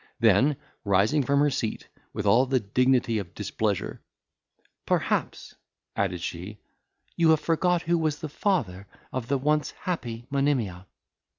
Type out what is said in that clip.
Then, rising from her seat, with all the dignity of displeasure, "Perhaps," added she, "you have forgot who was the father of the once happy Monimia."